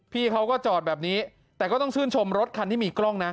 พี่เขาก็จอดแบบนี้แต่ก็ต้องชื่นชมรถคันที่มีกล้องนะ